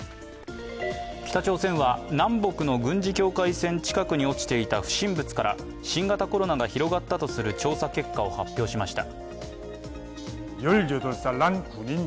北朝鮮は南北の軍事境界線近くに落ちていた不審物から新型コロナが広がったとする調査結果を発表しました。